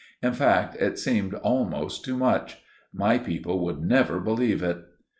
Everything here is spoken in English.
In fact, it seemed almost too much. My people would never believe it.